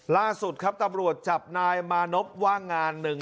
ล่าสุดครับตำรวจจับนายมานพว่างงานหนึ่ง